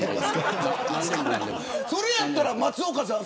それやったら、松岡さん